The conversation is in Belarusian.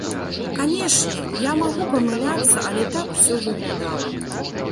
Канечне, я магу памыляцца, але так усё выглядала.